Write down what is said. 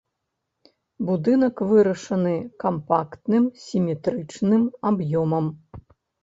Будынак вырашаны кампактным сіметрычным аб'ёмам.